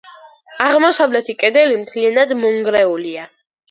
აღმოსავლეთი კედელი მთლიანად მონგრეულია.